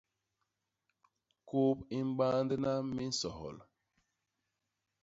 Kôp i mbandna minsohol.